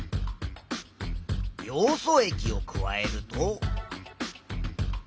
ヨウ素液を加えると。